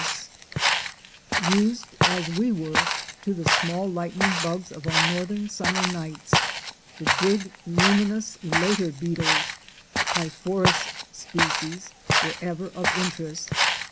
Used as we were only to the small lightning bugs of our northern summer nights, the big luminous elater beetles (P yro phorus sp.) were ever of interest.